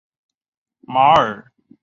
马尔坦瓦斯。